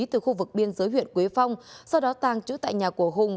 từ khu vực biên giới huyện quế phong sau đó tàng trữ tại nhà của hùng